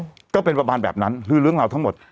ก็เป็นประมาณแบบนั้นคือเรื่องราวทั้งหมด